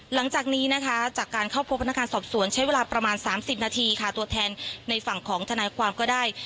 หลังจากนี้นะคะจากการเข้าพบพนักงานสอบสวนใช้เวลาประมาณ๓๐นาทีค่ะตัวแทนในฝั่งของทนายความก็ได้